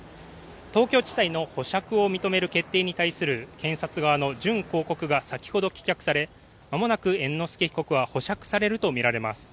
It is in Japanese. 東京地裁の保釈を認める決定に対する、検察側の準抗告が先ほど棄却されまもなく猿之助被告は保釈されるとみられます。